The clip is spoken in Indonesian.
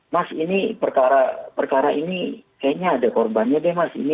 mas ini perkara ini kayaknya ada korbannya deh mas ini